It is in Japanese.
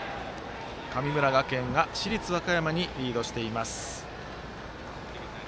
神村学園が市立和歌山にリードしています。